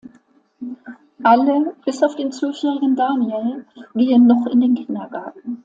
Alle, bis auf den zwölfjährigen Daniel, gehen noch in den Kindergarten.